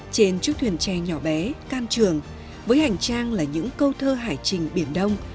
trên chút thuyền tre nhỏ bé can trường với hành trang là những câu thơ hải trình biển đông